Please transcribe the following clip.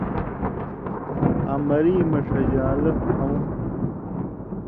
آں مری مہ ݜژان٘لو کھؤں